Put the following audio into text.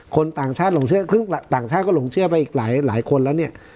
ต่างชาติหลงเชื่อครึ่งต่างชาติก็หลงเชื่อไปอีกหลายคนแล้วเนี่ย